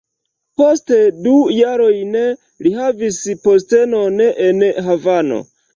Poste du jarojn li havis postenon en Havano.